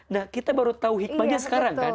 nah kita baru tahu hikmahnya sekarang kan